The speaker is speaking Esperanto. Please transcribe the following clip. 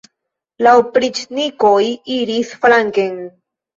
La opriĉnikoj iris flanken.